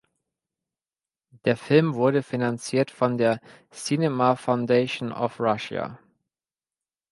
Der Film wurde finanziert von der "Cinema Foundation of Russia".